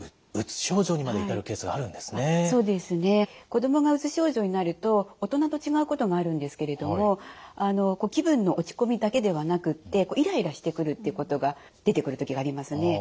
子どもがうつ症状になると大人と違うことがあるんですけれども気分の落ち込みだけではなくってイライラしてくるっていうことが出てくる時がありますね。